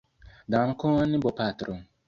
Dankon bopatro.